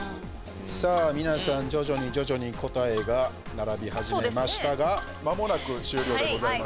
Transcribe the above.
さあ皆さん徐々に徐々に答えが並び始めましたがまもなく終了でございますよ。